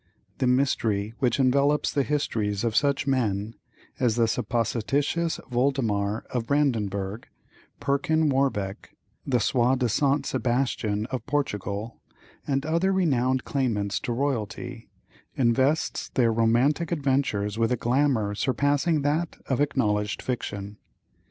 The mystery which envelopes the histories of such men as the supposititious Voldemar of Brandenburg, Perkin Warbeck, the soi disant Sebastian of Portugal, and other renowned claimants to royalty, invests their romantic adventures with a glamour surpassing that of acknowledged fiction.